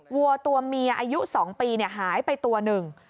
วัวตัวเมียอายุ๒ปีหายไปตัวหนึ่ง